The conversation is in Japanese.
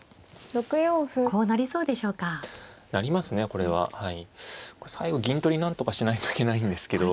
これ最後銀取りなんとかしないといけないんですけど。